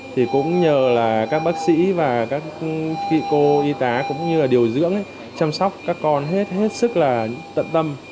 thì cũng nhờ các bác sĩ và các kỹ cô y tá cũng như là điều dưỡng chăm sóc các con hết sức là tận tâm